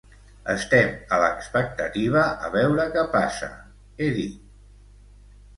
Estem a l'expectativa a veure què passa, he dit.